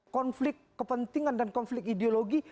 konflik kepentingan dan konflik ideologi